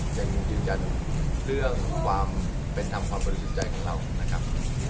ยังยืนยันเรื่องความเป็นธรรมความบริสุทธิ์ใจของเรานะครับ